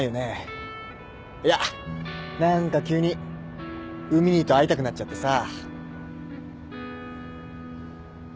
いや何か急に海兄と会いたくなっちゃってさ。